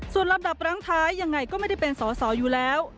ส่วนลำดับรั้งท้ายยังไงก็ไม่ได้เป็นสอสออยู่แล้ว